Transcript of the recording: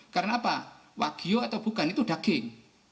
karena apa wagyu atau bukan itu daging